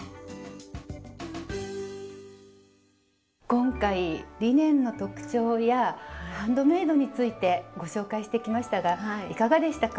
今回リネンの特徴やハンドメイドについてご紹介してきましたがいかがでしたか？